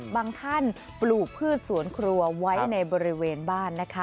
บางท่านปลูกพืชสวนครัวไว้ในบริเวณบ้านนะคะ